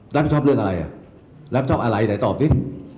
รับผิดชอบเรื่องอะไรอ่ะรับชอบอะไรไหนตอบสิ